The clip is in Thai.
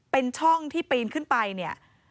เป็นช่องที่ปีนขึ้นไป